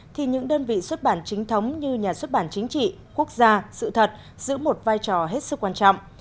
thì những đơn vị xuất bản chính thống như nhà xuất bản chính trị quốc gia sự thật giữ một vai trò hết sức quan trọng